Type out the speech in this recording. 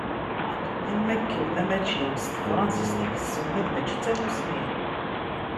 Am wakken ma mačči s tefransist i yesselmad mačči d tamussni.